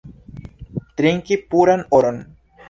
Trinki puran oron!